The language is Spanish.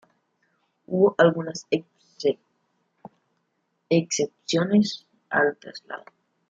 Hubo algunas excepciones al traslado.